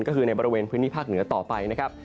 ก็คือในบริเวณพื้นที่ภาคเหนือต่อไปนะครับ